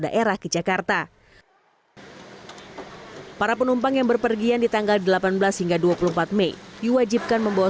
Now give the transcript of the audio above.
daerah ke jakarta para penumpang yang berpergian di tanggal delapan belas hingga dua puluh empat mei diwajibkan membawa